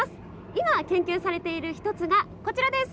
今、研究されている一つがこちらです。